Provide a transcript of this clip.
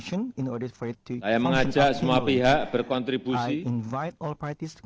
saya mengajak semua pihak berkontribusi